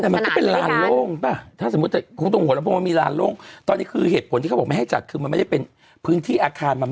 แบบสนุกสนานด้วยกัน